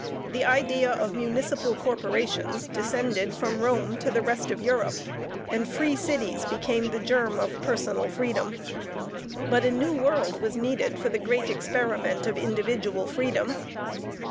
The idea of municipal corporations descended from Rome to the rest of Europe, and "free cities" became the germ of personal freedom. But a new world was needed for the great experiment of individual freedom.